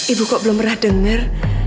ibu kok belum pernah dengar